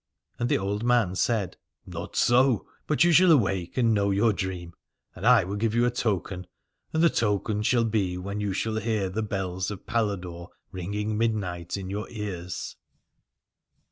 And the old man said : Not so, but you shall awake and know your dream. And I will give you a token : and the token shall be when you shall hear the bells of Paladore ringing midnight in your ears.